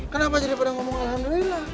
kenapa jadi pada ngomong alhamdulillah